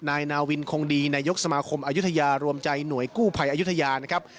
นายนาวินคงดีนายกสมาคมอายุทยารวมใจหน่วยกู้ภัยอายุทยานะครับ